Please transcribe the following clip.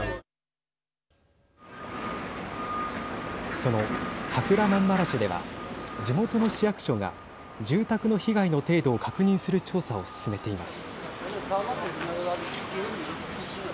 そのカフラマンマラシュでは地元の市役所が住宅の被害の程度を確認する調査を進めています。